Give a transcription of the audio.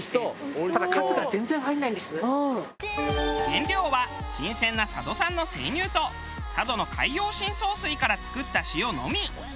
原料は新鮮な佐渡産の生乳と佐渡の海洋深層水から作った塩のみ。